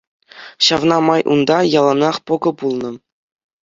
Ҫавна май унта яланах пӑкӑ пулнӑ.